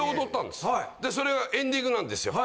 でそれエンディングなんですよ。